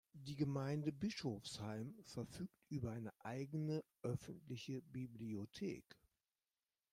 Die Gemeinde Bischofsheim verfügt über eine eigene öffentliche Bibliothek.